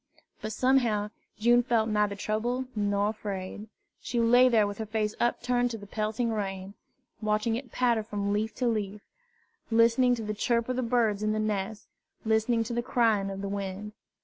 But somehow June felt neither troubled nor afraid. She lay there with her face upturned to the pelting rain, watching it patter from leaf to leaf, listening to the chirp of the birds in the nests, listening to the crying of the wind.